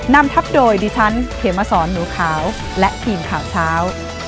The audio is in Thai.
นำทับโดยดิจันทร์เขียวมาสอนหนูขาวและกลิ่นข่าวเช้า